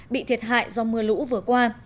bị thiệt hại do mưa lũ vừa qua